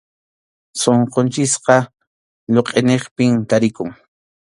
Sunqunchikqa lluqʼiniqpim tarikun.